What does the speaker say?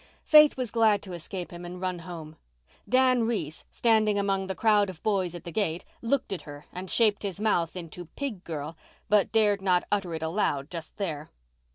Faith was glad to escape him and run home. Dan Reese, standing among the crowd of boys at the gate, looked at her and shaped his mouth into "pig girl," but dared not utter it aloud just there.